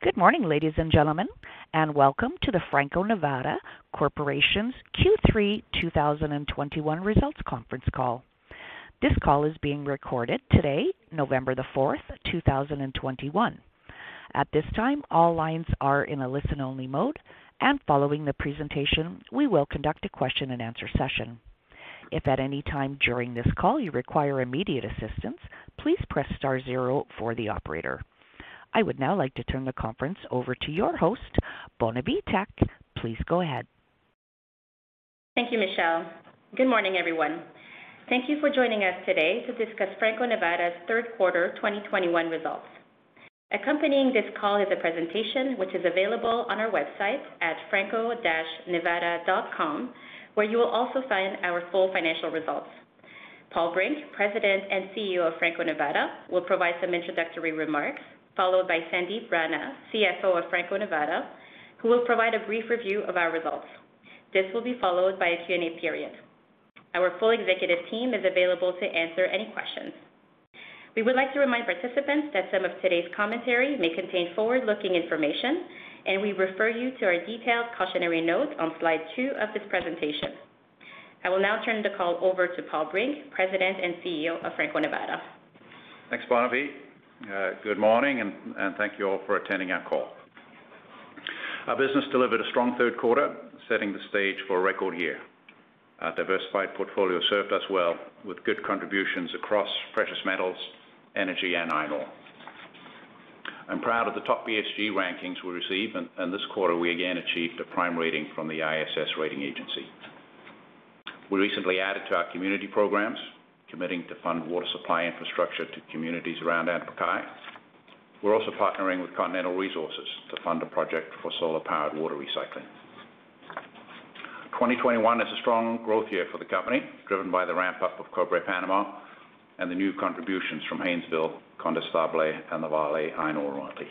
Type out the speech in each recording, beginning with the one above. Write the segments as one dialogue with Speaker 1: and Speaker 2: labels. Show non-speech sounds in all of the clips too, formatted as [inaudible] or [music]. Speaker 1: Good morning, ladies and gentlemen, and welcome to the Franco-Nevada Corporation's Q3 2021 results conference call. This call is being recorded today, November the fourth, 2021. At this time, all lines are in a listen-only mode, and following the presentation, we will conduct a question-and-answer session. If at any time during this call you require immediate assistance, please press star zero for the operator. I would now like to turn the conference over to your host. [inaudible] Please go ahead.
Speaker 2: Thank you, Michelle. Good morning, everyone. Thank you for joining us today to discuss Franco-Nevada's third quarter 2021 results. Accompanying this call is a presentation which is available on our website at franco-nevada.com, where you will also find our full financial results. Paul Brink, President and CEO of Franco-Nevada, will provide some introductory remarks, followed by Sandip Rana, CFO of Franco-Nevada, who will provide a brief review of our results. This will be followed by a Q&A period. Our full executive team is available to answer any questions. We would like to remind participants that some of today's commentary may contain forward-looking information, and we refer you to our detailed cautionary note on slide two of this presentation. I will now turn the call over to Paul Brink, President and CEO of Franco-Nevada.
Speaker 3: Thanks, Candida. Good morning, and thank you all for attending our call. Our business delivered a strong third quarter, setting the stage for a record year. Our diversified portfolio served us well with good contributions across precious metals, energy, and iron ore. I'm proud of the top ESG rankings we receive, and this quarter, we again achieved a prime rating from the ISS ESG rating agency. We recently added to our community programs, committing to fund water supply infrastructure to communities around Antapaccay. We're also partnering with Continental Resources to fund a project for solar-powered water recycling. 2021 is a strong growth year for the company, driven by the ramp-up of Cobre Panamá and the new contributions from Haynesville, Condestable, and the Vale Iron Royalty.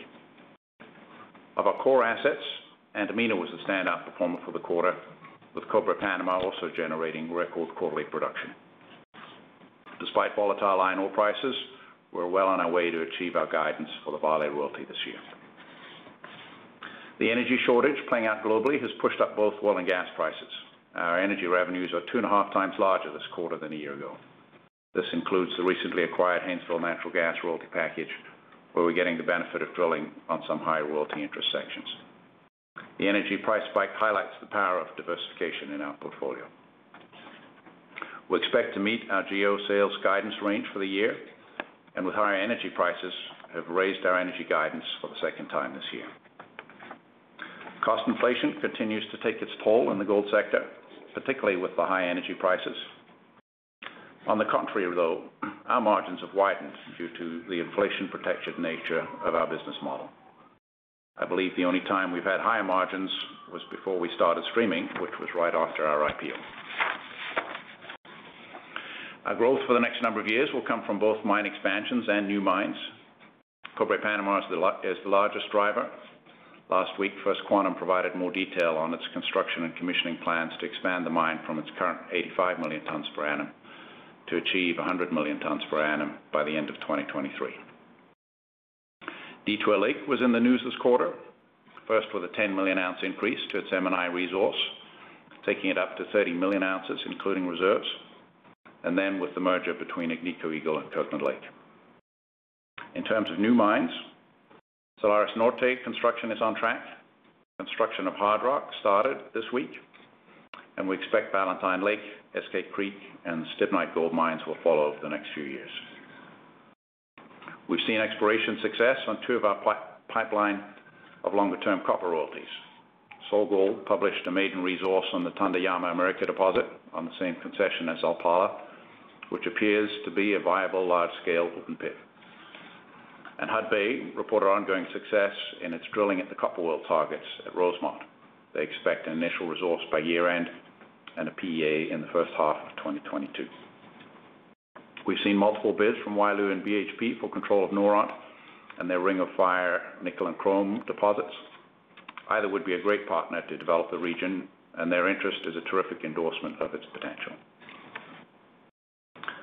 Speaker 3: Of our core assets, Antamina was a standout performer for the quarter, with Cobre Panamá also generating record quarterly production. Despite volatile iron ore prices, we're well on our way to achieve our guidance for the Vale Royalty this year. The energy shortage playing out globally has pushed up both oil and gas prices. Our energy revenues are 2.5 times larger this quarter than a year ago. This includes the recently acquired Haynesville Natural Gas Royalty package, where we're getting the benefit of drilling on some high royalty interest sections. The energy price spike highlights the power of diversification in our portfolio. We expect to meet our GEO sales guidance range for the year and with higher energy prices have raised our energy guidance for the second time this year. Cost inflation continues to take its toll in the gold sector, particularly with the high energy prices. On the contrary, though, our margins have widened due to the inflation-protected nature of our business model. I believe the only time we've had higher margins was before we started streaming, which was right after our IPO. Our growth for the next number of years will come from both mine expansions and new mines. Cobre Panamá is the largest driver. Last week, First Quantum provided more detail on its construction and commissioning plans to expand the mine from its current 85 million tons per annum to achieve 100 million tons per annum by the end of 2023. Detour Lake was in the news this quarter, first with a 10 million ounce increase to its M&I resource, taking it up to 30 million ounces, including reserves, and then with the merger between Agnico Eagle and Kirkland Lake. In terms of new mines, Salares Norte construction is on track. Construction of Hardrock started this week, and we expect Valentine Lake, Eskay Creek, and Stibnite Gold Mines will follow over the next few years. We've seen exploration success on two of our pipeline of longer-term copper royalties. SolGold published a maiden resource on the Tandayama-America deposit on the same concession as Alpala, which appears to be a viable large-scale open pit. Hudbay reported ongoing success in its drilling at the Copper World targets at Rosemont. They expect an initial resource by year-end and a PEA in the first half of 2022. We've seen multiple bids from Wyloo and BHP for control of Noront and their Ring of Fire nickel and chrome deposits. Either would be a great partner to develop the region, and their interest is a terrific endorsement of its potential.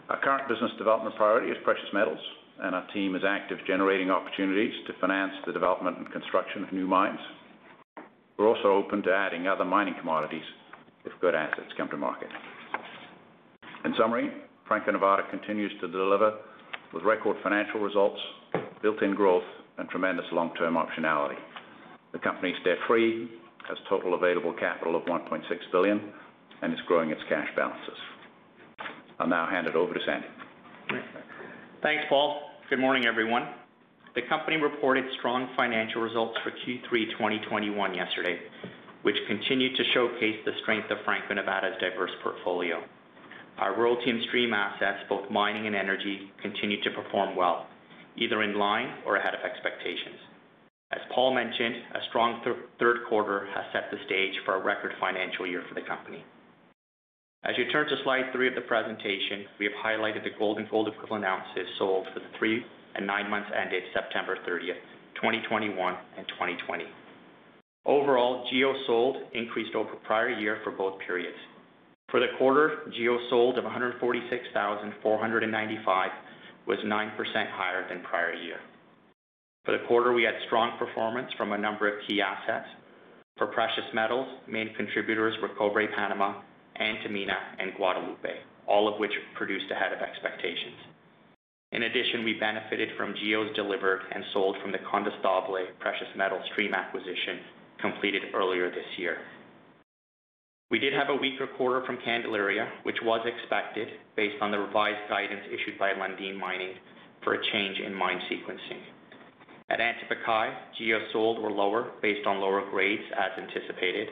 Speaker 3: Our current business development priority is precious metals, and our team is active generating opportunities to finance the development and construction of new mines. We're also open to adding other mining commodities if good assets come to market. In summary, Franco-Nevada continues to deliver with record financial results, built-in growth, and tremendous long-term optionality. The company is debt-free, has total available capital of $1.6 billion, and is growing its cash balances. I'll now hand it over to Sandip.
Speaker 4: Thanks, Paul. Good morning, everyone. The company reported strong financial results for Q3 2021 yesterday, which continued to showcase the strength of Franco-Nevada's diverse portfolio. Our royalty and stream assets, both mining and energy, continued to perform well, either in line or ahead of expectations. As Paul mentioned, a strong third quarter has set the stage for a record financial year for the company. As you turn to slide 3 of the presentation, we have highlighted the gold and gold equivalent ounces sold for the three and nine months ended September 30, 2021 and 2020. Overall, GEOs sold increased over prior year for both periods. For the quarter, GEOs sold of 146,495 was 9% higher than prior year. For the quarter, we had strong performance from a number of key assets. For precious metals, main contributors were Cobre Panamá, Antamina, and Guadalupe, all of which produced ahead of expectations. In addition, we benefited from GEOs delivered and sold from the Condestable precious metal stream acquisition completed earlier this year. We did have a weaker quarter from Candelaria, which was expected based on the revised guidance issued by Lundin Mining for a change in mine sequencing. At Antamina, GEOs sold were lower based on lower grades as anticipated.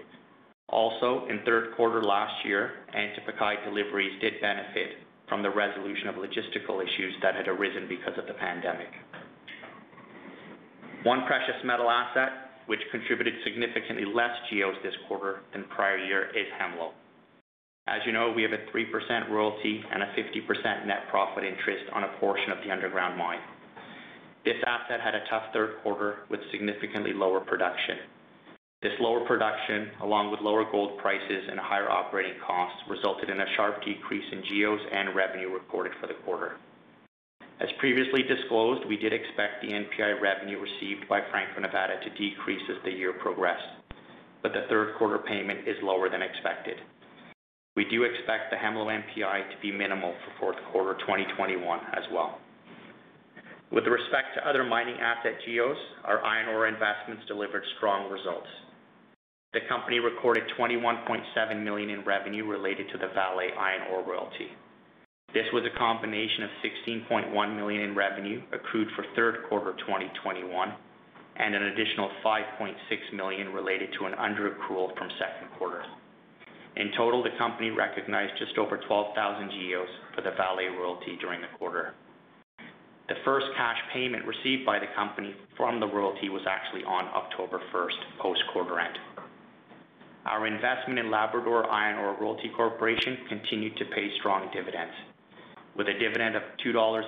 Speaker 4: Also, in third quarter last year, Antamina deliveries did benefit from the resolution of logistical issues that had arisen because of the pandemic. One precious metal asset which contributed significantly less geos this quarter than prior year is Hemlo. As you know, we have a 3% royalty and a 50% net profit interest on a portion of the underground mine. This asset had a tough third quarter with significantly lower production. This lower production, along with lower gold prices and higher operating costs, resulted in a sharp decrease in geos and revenue recorded for the quarter. As previously disclosed, we did expect the NPI revenue received by Franco-Nevada to decrease as the year progressed, but the third quarter payment is lower than expected. We do expect the Hemlo NPI to be minimal for fourth quarter 2021 as well. With respect to other mining asset geos, our iron ore investments delivered strong results. The company recorded $21.7 million in revenue related to the Vale iron ore royalty. This was a combination of $16.1 million in revenue accrued for third quarter 2021, and an additional $5.6 million related to an under-accrual from second quarter. In total, the company recognized just over 12,000 GEOs for the Vale royalty during the quarter. The first cash payment received by the company from the royalty was actually on October 1, post quarter end. Our investment in Labrador Iron Ore Royalty Corporation continued to pay strong dividends, with a dividend of 2.10 dollars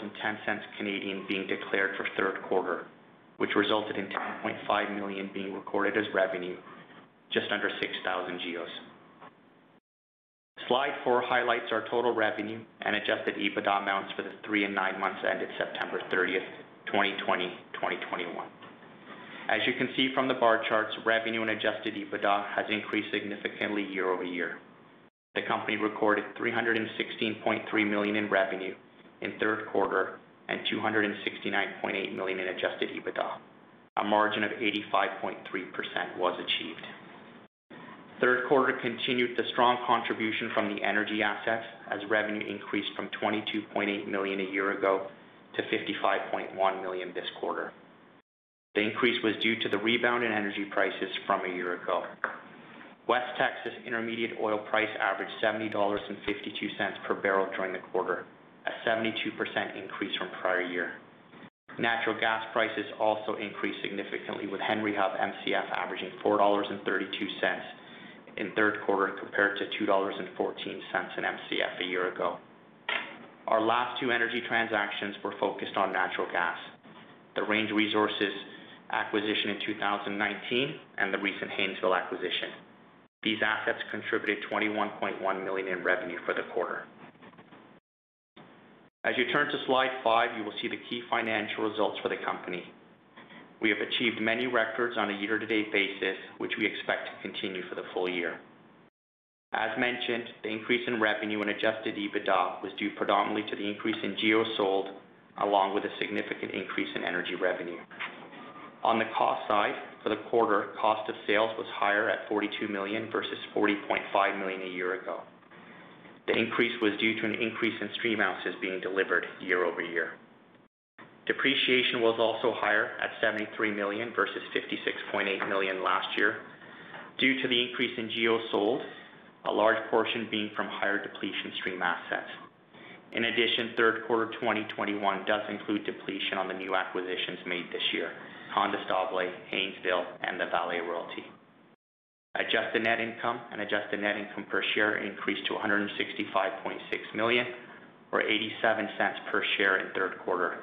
Speaker 4: being declared for third quarter, which resulted in $10.5 million being recorded as revenue, just under 6,000 GEOs. Slide 4 highlights our total revenue and adjusted EBITDA amounts for the three and nine months ended September 30, 2020, 2021. As you can see from the bar charts, revenue and adjusted EBITDA has increased significantly year-over-year. The company recorded $316.3 million in revenue in third quarter and $269.8 million in adjusted EBITDA. A margin of 85.3% was achieved. Third quarter continued the strong contribution from the energy assets as revenue increased from $22.8 million a year ago to $55.1 million this quarter. The increase was due to the rebound in energy prices from a year ago. West Texas Intermediate oil price averaged $70.52 per barrel during the quarter, a 72% increase from prior year. Natural gas prices also increased significantly with Henry Hub MCF averaging $4.32 in third quarter, compared to $2.14 in MCF a year ago. Our last two energy transactions were focused on natural gas, the Range Resources acquisition in 2019 and the recent Haynesville acquisition. These assets contributed $21.1 million in revenue for the quarter. As you turn to slide 5, you will see the key financial results for the company. We have achieved many records on a year-to-date basis, which we expect to continue for the full year. As mentioned, the increase in revenue and adjusted EBITDA was due predominantly to the increase in GEOs sold, along with a significant increase in energy revenue. On the cost side, for the quarter, cost of sales was higher at $42 million versus $40.5 million a year ago. The increase was due to an increase in stream ounces being delivered year-over-year. Depreciation was also higher at $73 million versus $56.8 million last year due to the increase in GEOs sold, a large portion being from higher depletion stream assets. In addition, third quarter 2021 does include depletion on the new acquisitions made this year, Condestable, Haynesville, and the Vale royalty. Adjusted net income and adjusted net income per share increased to $165.6 million or $0.87 per share in third quarter,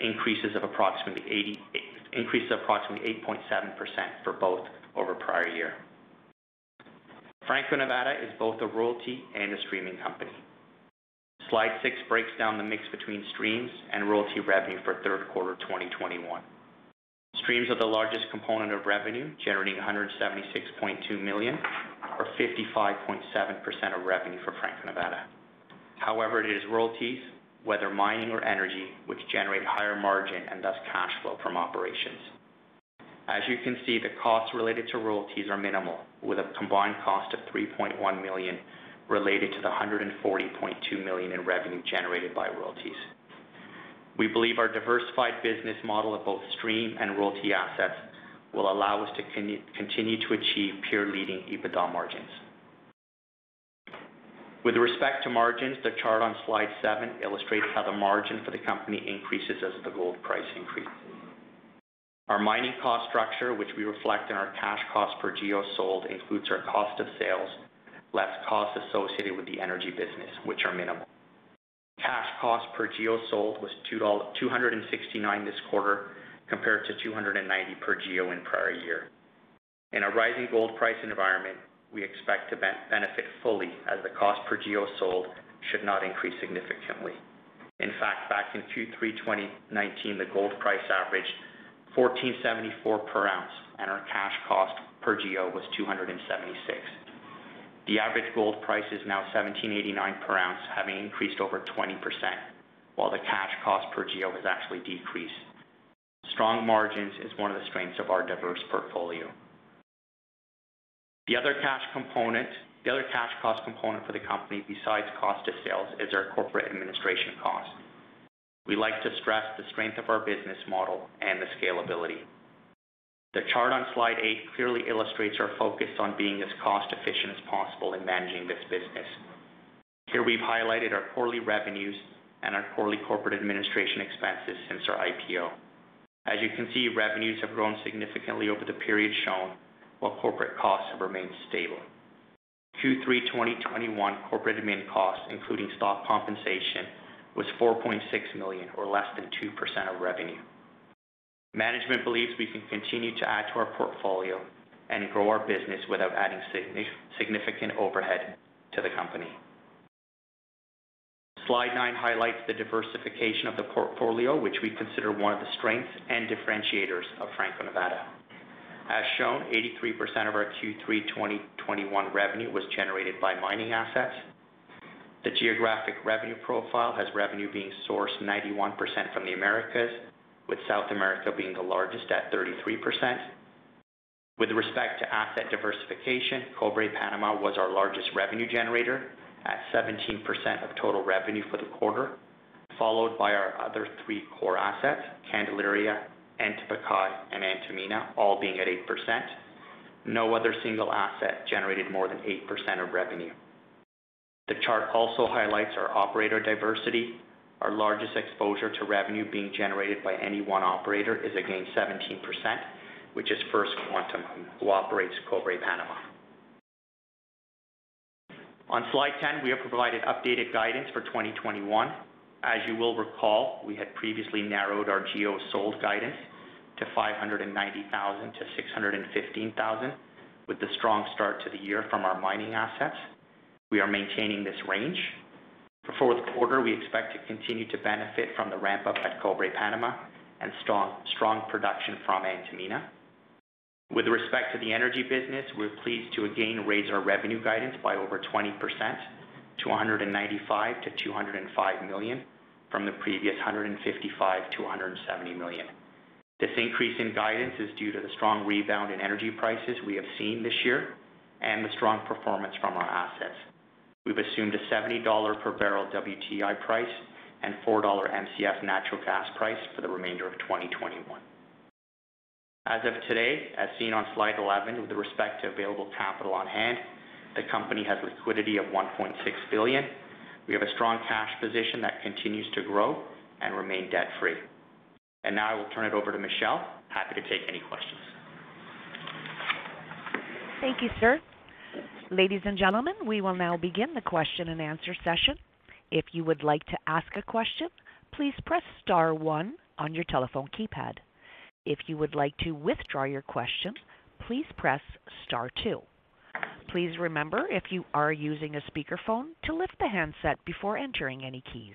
Speaker 4: an increase of approximately $88 million and 8.7% for both over prior year. Franco-Nevada is both a royalty and a streaming company. Slide 6 breaks down the mix between streams and royalty revenue for third quarter 2021. Streams are the largest component of revenue, generating $176.2 million or 55.7% of revenue for Franco-Nevada. However, it is royalties, whether mining or energy, which generate higher margin and thus cash flow from operations. As you can see, the costs related to royalties are minimal, with a combined cost of $3.1 million related to the $140.2 million in revenue generated by royalties. We believe our diversified business model of both stream and royalty assets will allow us to continue to achieve peer-leading EBITDA margins. With respect to margins, the chart on slide 7 illustrates how the margin for the company increases as the gold price increases. Our mining cost structure, which we reflect in our cash cost per GEO sold, includes our cost of sales, less costs associated with the energy business, which are minimal. Cash cost per GEO sold was $269 this quarter, compared to $290 per GEO in prior year. In a rising gold price environment, we expect to benefit fully as the cost per geo sold should not increase significantly. In fact, back in Q3 2019, the gold price averaged $1,474 per ounce, and our cash cost per geo was $276. The average gold price is now $1,789 per ounce, having increased over 20%, while the cash cost per geo has actually decreased. Strong margins is one of the strengths of our diverse portfolio. The other cash component, the other cash cost component for the company, besides cost of sales, is our corporate administration cost. We like to stress the strength of our business model and the scalability. The chart on slide eight clearly illustrates our focus on being as cost efficient as possible in managing this business. Here we've highlighted our quarterly revenues and our quarterly corporate administration expenses since our IPO. As you can see, revenues have grown significantly over the period shown, while corporate costs have remained stable. Q3 2021 corporate admin costs, including stock compensation, was $4.6 million or less than 2% of revenue. Management believes we can continue to add to our portfolio and grow our business without adding significant overhead to the company. Slide 9 highlights the diversification of the portfolio, which we consider one of the strengths and differentiators of Franco-Nevada. As shown, 83% of our Q3 2021 revenue was generated by mining assets. The geographic revenue profile has revenue being sourced 91% from the Americas, with South America being the largest at 33%. With respect to asset Cobre Panamá was our largest revenue generator at 17% of total revenue for the quarter, followed by our other three core assets, Candelaria, Antamina, and Antamina, all being at 8%. No other single asset generated more than 8% of revenue. The chart also highlights our operator diversity. Our largest exposure to revenue being generated by any one operator is, again, 17%, which is First Quantum, who Cobre Panamá. on slide 10, we have provided updated guidance for 2021. As you will recall, we had previously narrowed our GEOs sold guidance to 590,000-615,000 with the strong start to the year from our mining assets. We are maintaining this range. For fourth quarter, we expect to continue to benefit from the ramp up at Cobre Panamá and strong production from Antamina. With respect to the energy business, we're pleased to again raise our revenue guidance by over 20% to $195 million-$205 million from the previous $155 million-$170 million. This increase in guidance is due to the strong rebound in energy prices we have seen this year and the strong performance from our assets. We've assumed a $70 per barrel WTI price and $4 MCF natural gas price for the remainder of 2021. As of today, as seen on Slide 11, with respect to available capital on hand, the company has liquidity of $1.6 billion. We have a strong cash position that continues to grow and remain debt-free. Now I will turn it over to Michelle. Happy to take any questions.
Speaker 1: Thank you, sir. Ladies and gentlemen, we will now begin the question-and-answer session. If you would like to ask a question, please press star one on your telephone keypad. If you would like to withdraw your question, please press star two. Please remember if you are using a speakerphone to lift the handset before entering any keys.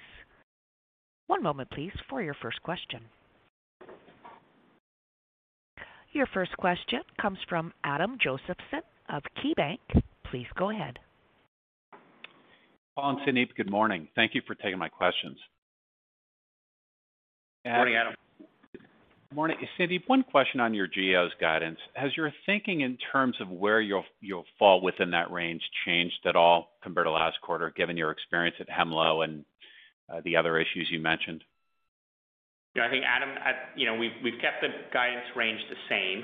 Speaker 1: One moment please, for your first question. Your first question comes from Adam Josephson of KeyBanc Capital Markets. Please go ahead.
Speaker 5: Paul and Sandip, good morning. Thank you for taking my questions.
Speaker 4: Morning, Adam.
Speaker 5: Morning. Sandip, one question on your GEOs guidance. Has your thinking in terms of where you'll fall within that range changed at all compared to last quarter, given your experience at Hemlo and the other issues you mentioned?
Speaker 4: Yeah, I think, Adam, you know, we've kept the guidance range the same.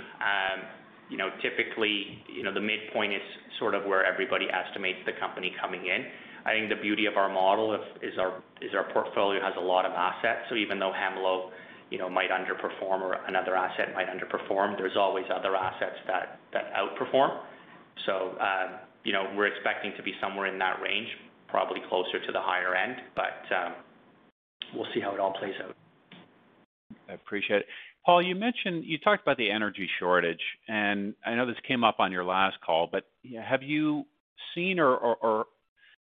Speaker 4: You know, typically, you know, the midpoint is sort of where everybody estimates the company coming in. I think the beauty of our model is our portfolio has a lot of assets. So even though Hemlo, you know, might underperform or another asset might underperform, there's always other assets that outperform. So, you know, we're expecting to be somewhere in that range, probably closer to the higher end, but we'll see how it all plays out.
Speaker 5: I appreciate it. Paul, you mentioned, you talked about the energy shortage, and I know this came up on your last call, but have you seen or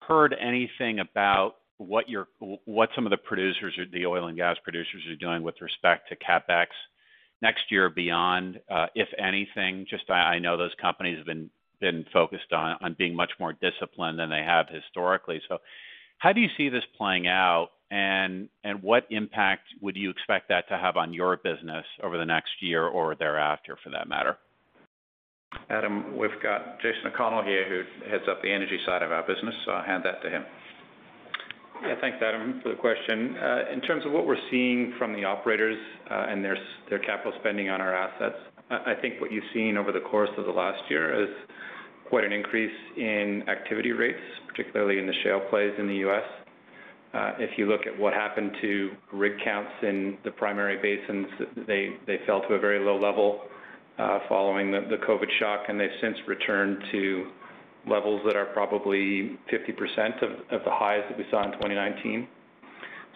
Speaker 5: heard anything about what some of the producers or the oil and gas producers are doing with respect to CapEx next year or beyond, if anything? Just I know those companies have been focused on being much more disciplined than they have historically. How do you see this playing out, and what impact would you expect that to have on your business over the next year or thereafter, for that matter?
Speaker 3: Adam, we've got Jason O'Connell here, who heads up the energy side of our business, so I'll hand that to him.
Speaker 6: Yeah. Thanks, Adam, for the question. In terms of what we're seeing from the operators and their capital spending on our assets, I think what you've seen over the course of the last year is quite an increase in activity rates, particularly in the shale plays in the U.S. If you look at what happened to rig counts in the primary basins, they fell to a very low level following the COVID shock, and they've since returned to levels that are probably 50% of the highs that we saw in 2019.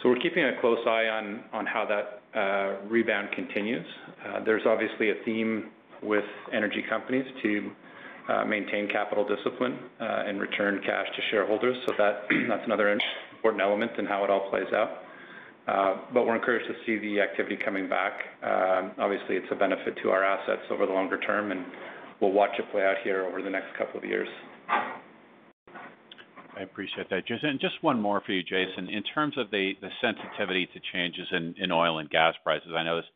Speaker 6: We're keeping a close eye on how that rebound continues. There's obviously a theme with energy companies to maintain capital discipline and return cash to shareholders. That's another important element in how it all plays out. We're encouraged to see the activity coming back. Obviously, it's a benefit to our assets over the longer term, and we'll watch it play out here over the next couple of years.
Speaker 5: I appreciate that, Jason. Just one more for you, Jason. In terms of the sensitivity to changes in oil and gas prices, I know this,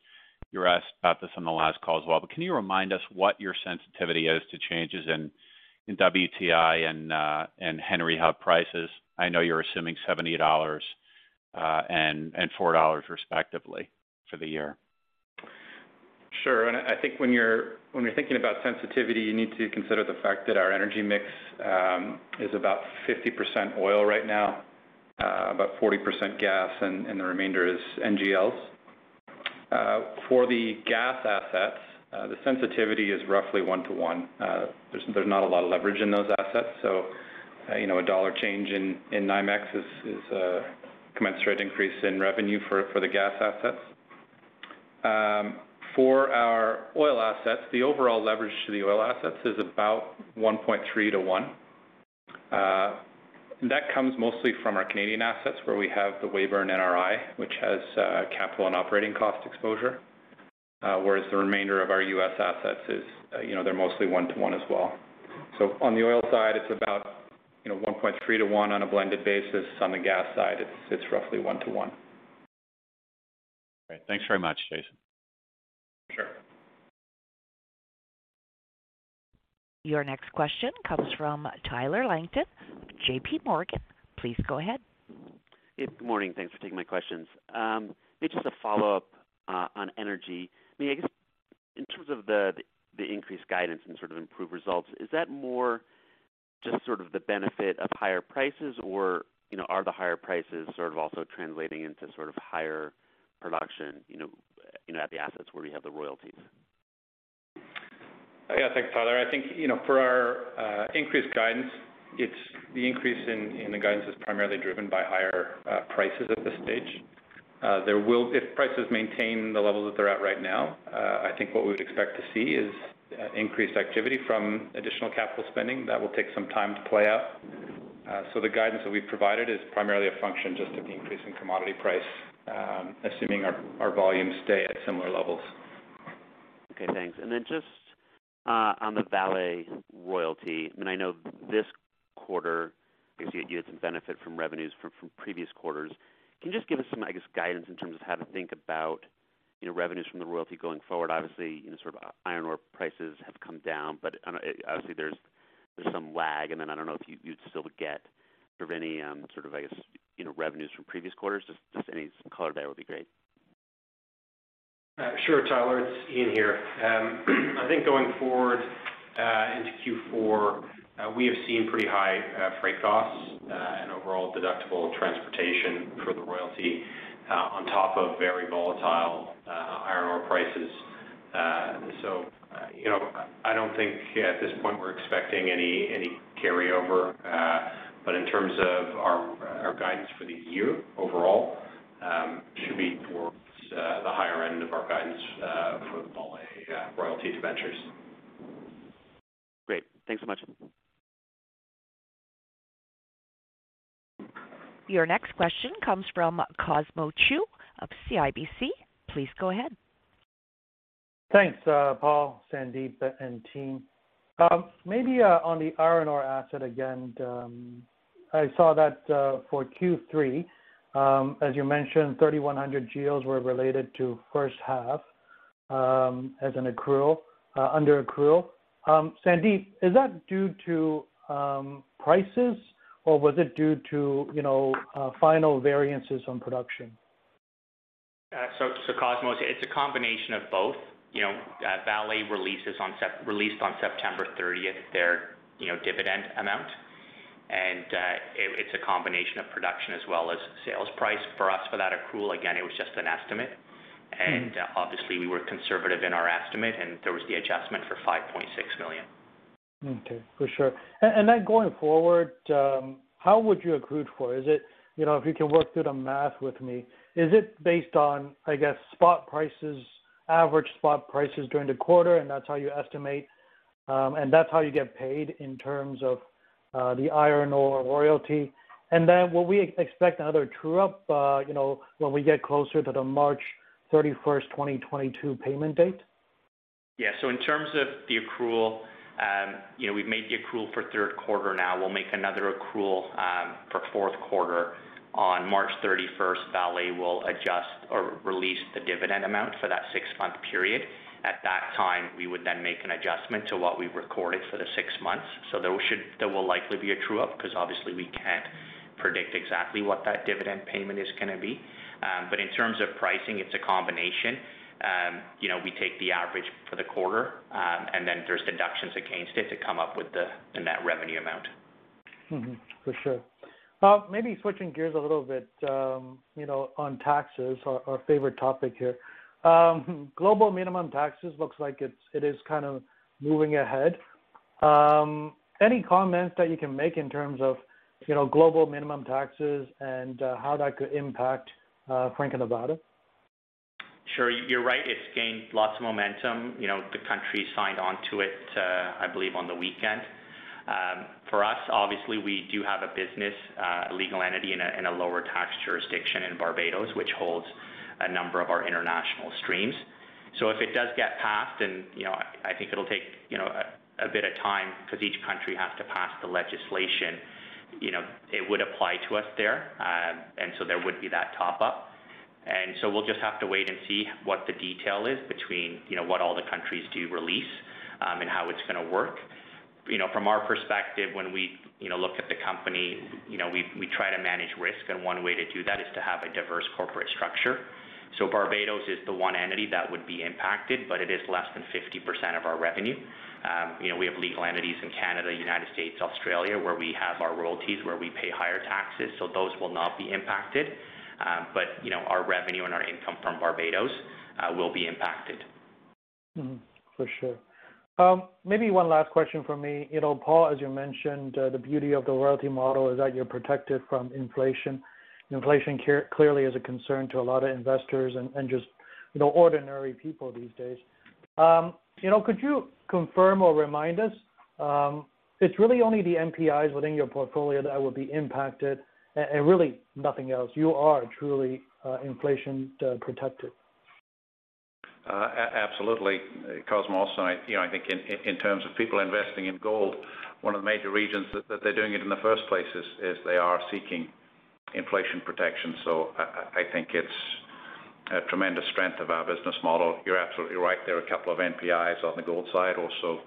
Speaker 5: you were asked about this on the last call as well. Can you remind us what your sensitivity is to changes in WTI and Henry Hub prices? I know you're assuming $70 and $4 respectively for the year.
Speaker 6: Sure. I think when you're thinking about sensitivity, you need to consider the fact that our energy mix is about 50% oil right now, about 40% gas, and the remainder is NGLs. For the gas assets, the sensitivity is roughly 1/1. There's not a lot of leverage in those assets. You know, a $1 change in NYMEX is a commensurate increase in revenue for the gas assets. For our oil assets, the overall leverage to the oil assets is about 1.3/1. That comes mostly from our Canadian assets, where we have the Weyburn NRI, which has capital and operating cost exposure, whereas the remainder of our U.S. assets is, you know, they're mostly 1/1 as well. On the oil side, it's about, you know, 1.3/1 on a blended basis. On the gas side, it's roughly 1/1.
Speaker 5: Great. Thanks very much, Jason.
Speaker 6: Sure.
Speaker 1: Your next question comes from Tyler Langton, JPMorgan. Please go ahead.
Speaker 7: Good morning. Thanks for taking my questions. Maybe just a follow-up on energy. I mean, I guess in terms of the increased guidance and sort of improved results, is that more just sort of the benefit of higher prices? Or, you know, are the higher prices sort of also translating into sort of higher production, you know, at the assets where you have the royalties?
Speaker 6: Yeah. Thanks, Tyler. I think, you know, for our increased guidance, it's the increase in the guidance is primarily driven by higher prices at this stage. If prices maintain the levels that they're at right now, I think what we would expect to see is increased activity from additional capital spending. That will take some time to play out. The guidance that we've provided is primarily a function just of the increase in commodity price, assuming our volumes stay at similar levels.
Speaker 7: Okay, thanks. Just on the Vale royalty, I mean, I know this quarter, obviously you had some benefit from revenues from previous quarters. Can you just give us some, I guess, guidance in terms of how to think about, you know, revenues from the royalty going forward? Obviously, you know, sort of iron ore prices have come down, but I don't know, obviously there's some lag, and then I don't know if you'd still get any, sort of, I guess, you know, revenues from previous quarters. Just any color there would be great.
Speaker 8: Sure, Tyler. It's Eaun here. I think going forward into Q4, we have seen pretty high freight costs and overall deductible transportation for the royalty on top of very volatile iron ore prices. You know, I don't think at this point we're expecting any carryover. In terms of our guidance for the year overall, should be towards the higher end of our guidance for the Vale royalty debentures.
Speaker 7: Great. Thanks so much.
Speaker 1: Your next question comes from Cosmos Chiu of CIBC. Please go ahead.
Speaker 9: Thanks, Paul, Sandip, and team. Maybe on the iron ore asset, again, I saw that for Q3, as you mentioned, 3,100 geos were related to first half, as an accrual, under accrual. Sandip, is that due to prices, or was it due to, you know, final variances on production?
Speaker 4: Cosmos, it's a combination of both. You know, Vale released on September thirtieth their dividend amount. It's a combination of production as well as sales price. For us, for that accrual, again, it was just an estimate. Obviously, we were conservative in our estimate, and there was the adjustment for $5.6 million.
Speaker 9: Okay, for sure. Going forward, how would you accrue for? You know, if you can work through the math with me. Is it based on, I guess, spot prices, average spot prices during the quarter, and that's how you estimate, and that's how you get paid in terms of the iron ore royalty? Will we expect another true-up, you know, when we get closer to the March 31, 2022 payment date?
Speaker 4: Yeah. In terms of the accrual, you know, we've made the accrual for third quarter now. We'll make another accrual for fourth quarter. On March 31st, Vale will adjust or release the dividend amount for that six-month period. At that time, we would then make an adjustment to what we recorded for the six months. There will likely be a true up because obviously we can't predict exactly what that dividend payment is gonna be. But in terms of pricing, it's a combination. You know, we take the average for the quarter, and then there's deductions against it to come up with the net revenue amount.
Speaker 9: For sure. Maybe switching gears a little bit, you know, on taxes, our favorite topic here. Global minimum taxes looks like it is kind of moving ahead. Any comments that you can make in terms of, you know, global minimum taxes and how that could impact Franco-Nevada?
Speaker 4: Sure. You're right, it's gained lots of momentum. You know, the country signed on to it, I believe on the weekend. For us, obviously, we do have a business, a legal entity in a lower tax jurisdiction in Barbados, which holds a number of our international streams. If it does get passed and, you know, I think it'll take a bit of time because each country has to pass the legislation, you know, it would apply to us there. There would be that top up. We'll just have to wait and see what the detail is between, you know, what all the countries do release, and how it's gonna work. You know, from our perspective, when we you know look at the company, you know, we try to manage risk, and one way to do that is to have a diverse corporate structure. Barbados is the one entity that would be impacted, but it is less than 50% of our revenue. You know, we have legal entities in Canada, United States, Australia, where we have our royalties, where we pay higher taxes, so those will not be impacted. You know, our revenue and our income from Barbados will be impacted.
Speaker 9: For sure. Maybe one last question from me. You know, Paul, as you mentioned, the beauty of the royalty model is that you're protected from inflation. Inflation clearly is a concern to a lot of investors and just, you know, ordinary people these days. You know, could you confirm or remind us, it's really only the NPIs within your portfolio that will be impacted and really nothing else. You are truly inflation protected.
Speaker 3: Absolutely. Cosmos, you know, I think in terms of people investing in gold, one of the major reasons that they're doing it in the first place is they are seeking inflation protection. I think it's a tremendous strength of our business model. You're absolutely right, there are a couple of NPIs on the gold side. Also,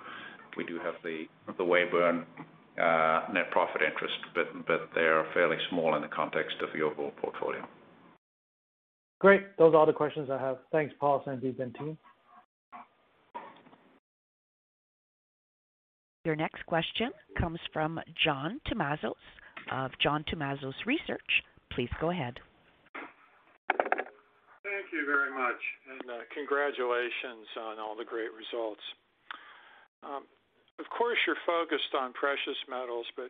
Speaker 3: we do have the Weyburn net profit interest, but they are fairly small in the context of your whole portfolio.
Speaker 9: Great. Those are all the questions I have. Thanks, Paul, Sandip and team.
Speaker 1: Your next question comes from John Tumazos of John Tumazos Research. Please go ahead.
Speaker 10: Thank you very much. Congratulations on all the great results. Of course, you're focused on precious metals, but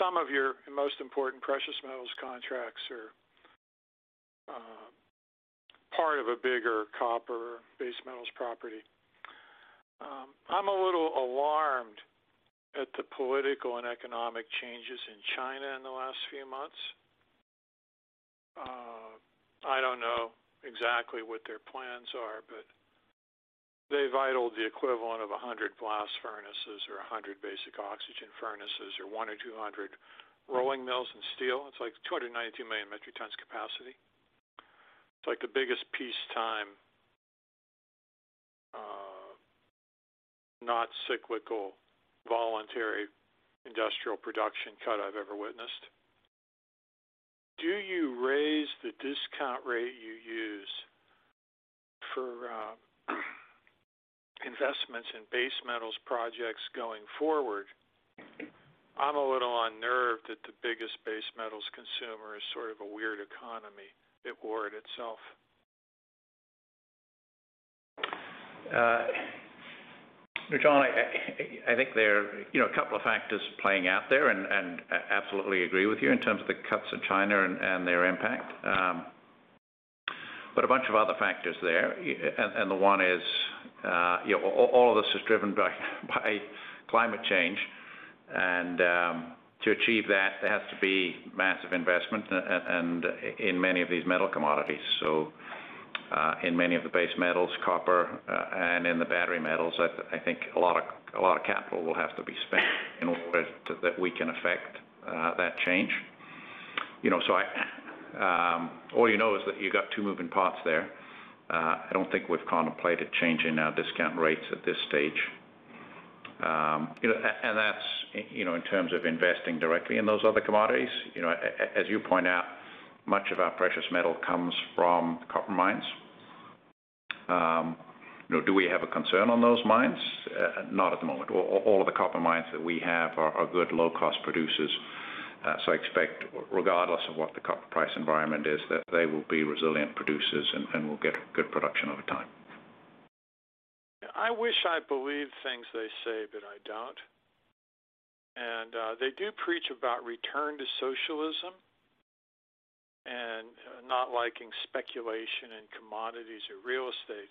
Speaker 10: some of your most important precious metals contracts are part of a bigger copper base metals property. I'm a little alarmed at the political and economic changes in China in the last few months. I don't know exactly what their plans are, but they've idled the equivalent of 100 blast furnaces or 100 basic oxygen furnaces or 100-200 rolling mills in steel. It's like 292 million metric tons capacity. It's like the biggest peacetime, not cyclical, voluntary industrial production cut I've ever witnessed. Do you raise the discount rate you use for investments in base metals projects going forward? I'm a little unnerved that the biggest base metals consumer is sort of a weird economy that warred itself.
Speaker 3: John, I think there are, you know, a couple of factors playing out there, and I absolutely agree with you in terms of the cuts in China and their impact. But a bunch of other factors there. The one is, you know, all of this is driven by climate change. To achieve that, there has to be massive investment in many of these metal commodities. In many of the base metals, copper, and in the battery metals, I think a lot of capital will have to be spent in order that we can affect that change. You know, all you know is that you got two moving parts there. I don't think we've contemplated changing our discount rates at this stage. You know, that's, you know, in terms of investing directly in those other commodities. You know, as you point out, much of our precious metal comes from copper mines. You know, do we have a concern on those mines? Not at the moment. All of the copper mines that we have are good low cost producers. I expect regardless of what the copper price environment is, that they will be resilient producers and we'll get good production over time.
Speaker 10: I wish I believed things they say, but I don't. They do preach about return to socialism and not liking speculation in commodities or real estate.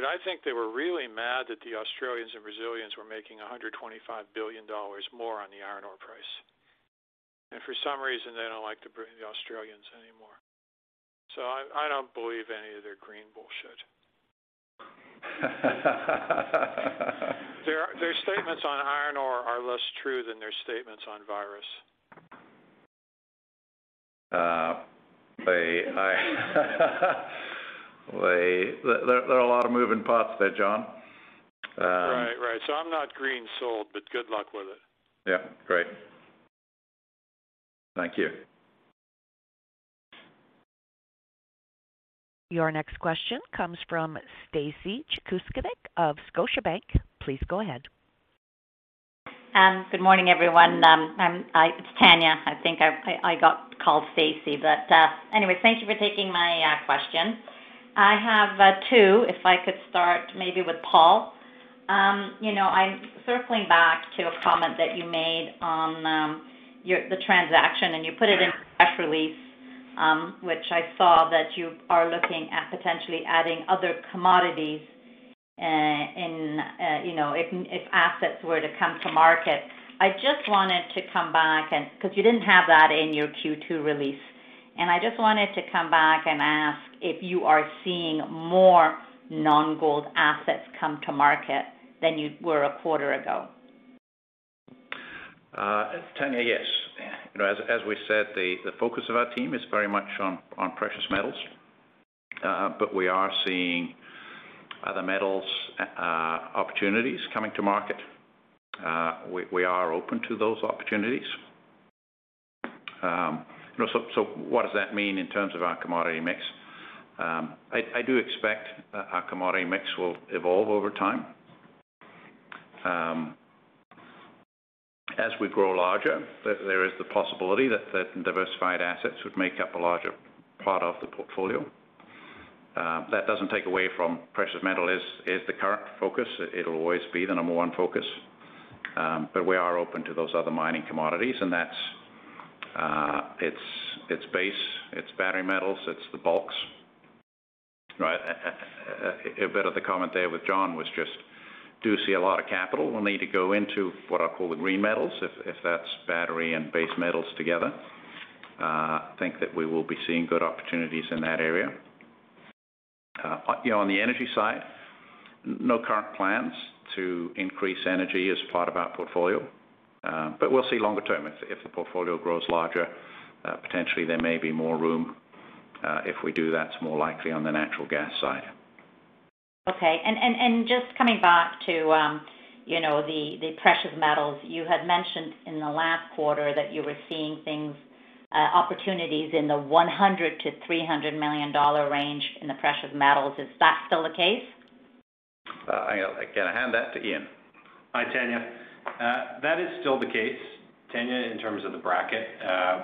Speaker 10: I think they were really mad that the Australians and Brazilians were making $125 billion more on the iron ore price. For some reason, they don't like the Australians anymore. I don't believe any of their green bullshit. Their statements on iron ore are less true than their statements on virus.
Speaker 3: There are a lot of moving parts there, John.
Speaker 10: Right. Right. I'm not green sold, but good luck with it.
Speaker 3: Yeah. Great. Thank you.
Speaker 1: Your next question comes from Stacy Jakusconek of Scotiabank. Please go ahead.
Speaker 11: Good morning, everyone. It's Tanya. I think I got called Stacy, but anyways, thank you for taking my question. I have two. If I could start maybe with Paul. You know, I'm circling back to a comment that you made on the transaction, and you put it in the press release, which I saw that you are looking at potentially adding other commodities in you know, if assets were to come to market. I just wanted to come back and 'cause you didn't have that in your Q2 release. I just wanted to come back and ask if you are seeing more non-gold assets come to market than you were a quarter ago.
Speaker 3: Tanya, yes. You know, as we said, the focus of our team is very much on precious metals, but we are seeing other metals opportunities coming to market. We are open to those opportunities. You know, what does that mean in terms of our commodity mix? I do expect our commodity mix will evolve over time. As we grow larger, there is the possibility that diversified assets would make up a larger part of the portfolio. That doesn't take away from precious metals is the current focus. It'll always be the number one focus, but we are open to those other mining commodities, and that's base, battery metals, the bulks, right? A bit of the comment there with John was just, do you see a lot of capital will need to go into what I call the green metals if that's battery and base metals together. I think that we will be seeing good opportunities in that area. You know, on the energy side, no current plans to increase energy as part of our portfolio, but we'll see longer term. If the portfolio grows larger, potentially there may be more room. If we do that, it's more likely on the natural gas side.
Speaker 11: Just coming back to, you know, the precious metals, you had mentioned in the last quarter that you were seeing things, opportunities in the $100 million-$300 million range in the precious metals. Is that still the case?
Speaker 3: I again hand that to Eaun.
Speaker 8: Hi, Tanya. That is still the case, Tanya, in terms of the bracket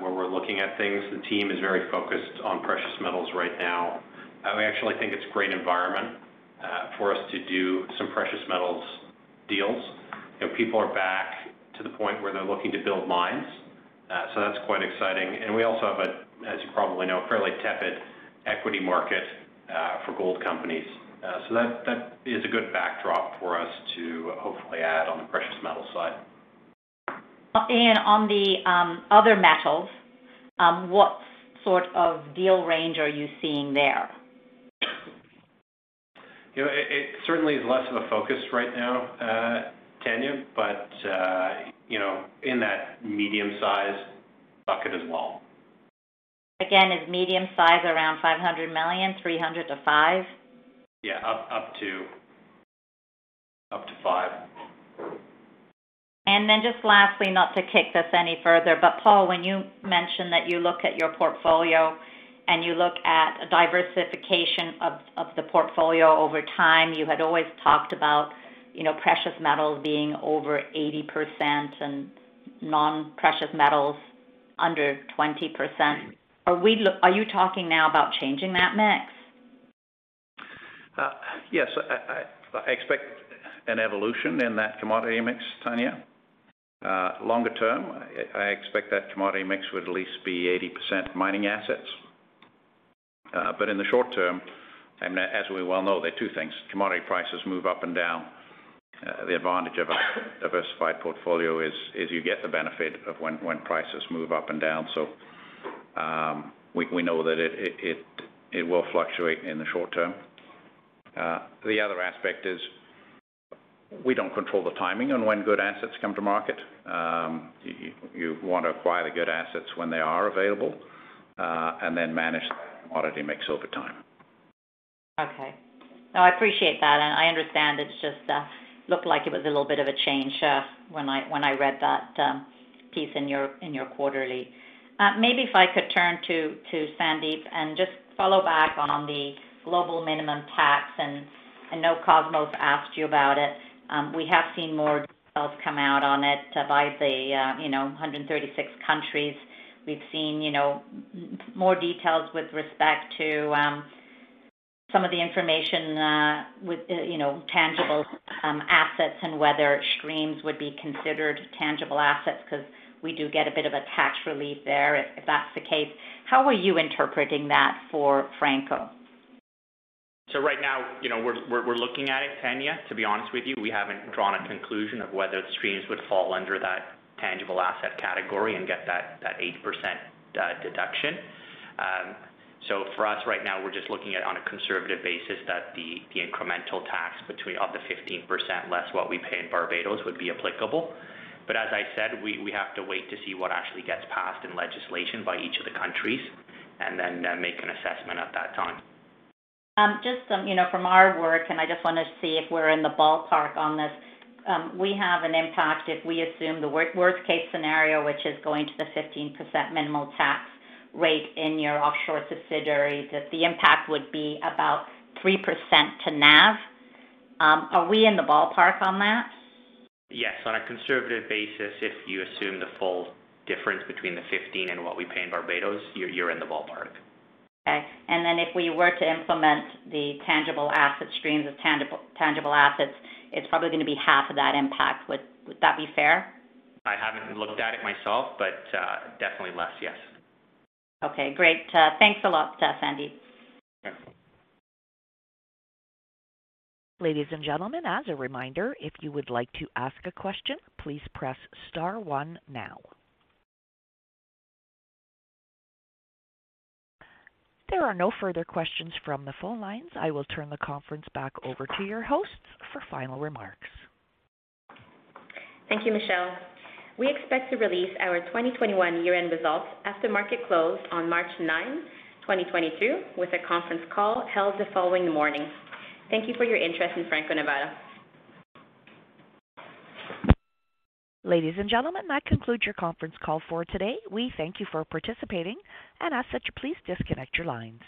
Speaker 8: where we're looking at things. The team is very focused on precious metals right now. We actually think it's great environment for us to do some precious metals deals. You know, people are back to the point where they're looking to build mines, so that's quite exciting. We also have a, as you probably know, fairly tepid equity market for gold companies. So that is a good backdrop for us to hopefully add on the precious metal side.
Speaker 11: On the other metals, what sort of deal range are you seeing there?
Speaker 8: You know, it certainly is less of a focus right now, Tanya, but you know, in that medium size bucket as well.
Speaker 11: Again, is medium-size around $500 million, $300 million-$500 million?
Speaker 8: Yeah. Up to $500 million.
Speaker 11: Just lastly, not to kick this any further, but Paul, when you mentioned that you look at your portfolio and you look at a diversification of the portfolio over time, you had always talked about, you know, precious metals being over 80% and non-precious metals under 20%. Are you talking now about changing that mix?
Speaker 3: Yes. I expect an evolution in that commodity mix, Tanya. Longer term, I expect that commodity mix would at least be 80% mining assets. In the short term, as we well know, there are two things. Commodity prices move up and down. The advantage of a diversified portfolio is you get the benefit of when prices move up and down. We know that it will fluctuate in the short term. The other aspect is we don't control the timing on when good assets come to market. You want to acquire the good assets when they are available, and then manage the commodity mix over time.
Speaker 11: Okay. No, I appreciate that, and I understand. It just looked like it was a little bit of a change when I read that piece in your quarterly. Maybe if I could turn to Sandip and just follow back on the global minimum tax, and I know Cosmos asked you about it. We have seen more details come out on it by the 136 countries. We've seen more details with respect to some of the information with tangible assets and whether streams would be considered tangible assets, 'cause we do get a bit of a tax relief there if that's the case. How are you interpreting that for Franco?
Speaker 4: Right now, you know, we're looking at it, Tanya. To be honest with you, we haven't drawn a conclusion of whether streams would fall under that tangible asset category and get that 8% deduction. For us right now, we're just looking at, on a conservative basis, that the incremental tax of the 15% less what we pay in Barbados would be applicable. As I said, we have to wait to see what actually gets passed in legislation by each of the countries and then make an assessment at that time.
Speaker 11: Just, you know, from our work, I just wanna see if we're in the ballpark on this, we have an impact if we assume the worst case scenario, which is going to the 15% minimum tax rate in your offshore subsidiary, that the impact would be about 3% to NAV. Are we in the ballpark on that?
Speaker 4: Yes. On a conservative basis, if you assume the full difference between the 15 and what we pay in Barbados, you're in the ballpark.
Speaker 11: Okay. If we were to implement the tangible asset streams of tangible assets, it's probably gonna be half of that impact. Would that be fair?
Speaker 4: I haven't looked at it myself, but definitely less, yes.
Speaker 11: Okay, great. Thanks a lot, Sandip.
Speaker 1: Yeah. Ladies and gentlemen, as a reminder, if you would like to ask a question, please press star one now. There are no further questions from the phone lines. I will turn the conference back over to your hosts for final remarks.
Speaker 2: Thank you, Michelle. We expect to release our 2021 year-end results after market close on March 9, 2022, with a conference call held the following morning. Thank you for your interest in Franco-Nevada.
Speaker 1: Ladies and gentlemen, that concludes your conference call for today. We thank you for participating and ask that you please disconnect your lines.